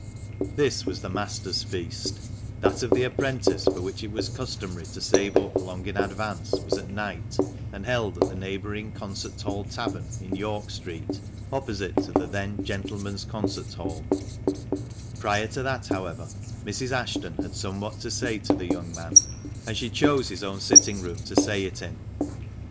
This was the master's feast ; that of the apprentice, for which it was customary to save up long in advance, was at night, and held at the neighbouring "Concert Hall Tavern" in York Street, opposite to the then " Gentleman's Concert Hall," Prior to that, however, Mrs. Ashton had somewhat to say to the young man, and she chose his own sitting room to say it in.